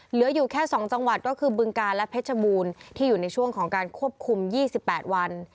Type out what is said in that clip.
เหลืออยู่แค่๒จังหวัดก็คือบึงกาลและเพชรบูรณ์ที่อยู่ในช่วงของการควบคุม๒๘วัน